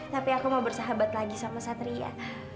tapi aku mau bersahabat lagi sama satria